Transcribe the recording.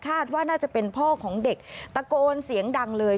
ว่าน่าจะเป็นพ่อของเด็กตะโกนเสียงดังเลย